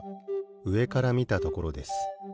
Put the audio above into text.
うえからみたところです。